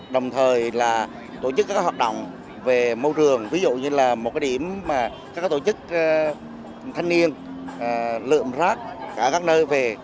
đồng thời là tổ chức các hoạt động về môi trường ví dụ như là một cái điểm mà các tổ chức thanh niên lượm rác cả các nơi về